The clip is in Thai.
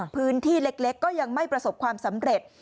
พื้นที่เล็กก็ยังไม่ประสบความสำเร็จ